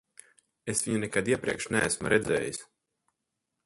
Es viņu nekad iepriekš neesmu redzējis.